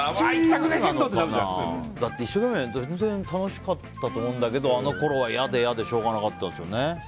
一生懸命やれば全然楽しかったと思うんだけどあのころは嫌で嫌でしょうがなかったですね。